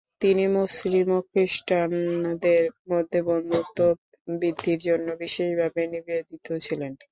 তিনি মুসলিম ও খ্রিষ্টানদের মধ্যে বন্ধুত্ব বৃদ্ধির জন্য বিশেষভাবে নিবেদিত ছিলেন।